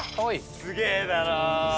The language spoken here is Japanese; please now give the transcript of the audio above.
すげえだろ？